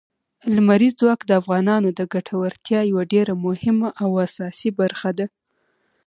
لمریز ځواک د افغانانو د ګټورتیا یوه ډېره مهمه او اساسي برخه ده.